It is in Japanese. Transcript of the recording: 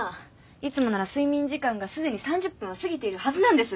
いつもなら睡眠時間がすでに３０分を過ぎているはずなんです。